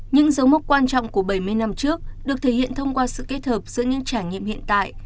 những dấu mốc quan trọng của bảy mươi năm trước được thể hiện thông qua sự kết hợp giữa những trải nghiệm hiện tại